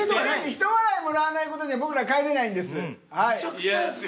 ひと笑いもらわないことには僕ら帰れないんです。